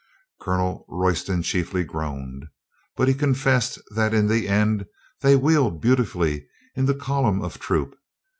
Colonel Royston chiefly groaned. But he confessed that in the end they wheeled beautifully into column of troop.